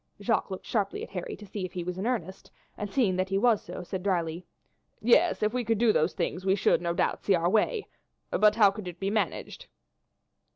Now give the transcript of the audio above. Jacques looked sharply at Harry to see if he was in earnest, and seeing that he was so, said drily: "Yes, if we could do those things we should, no doubt, see our way; but how could it be managed?"